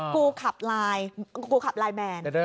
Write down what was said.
กูขับไลน์แมน